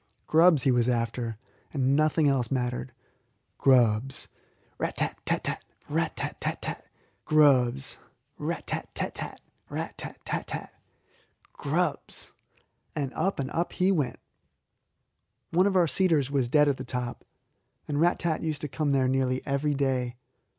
Grubs he was after, and nothing else mattered. Grubs rat tat tat tat! rat tat tat tat! grubs! and up and up he went. One of our cedars was dead at the top, and Rat tat used to come there nearly every day.